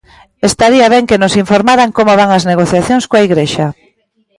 Estaría ben que nos informaran como van as negociacións coa Igrexa.